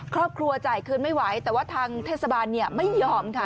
ครอบครัวจ่ายคืนไม่ไหวแต่ว่าทางเทศบาลไม่ยอมค่ะ